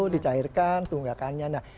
dicairkan tunggakannya nah